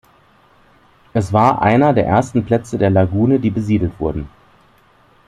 Es war einer der ersten Plätze der Lagune, die besiedelt wurden.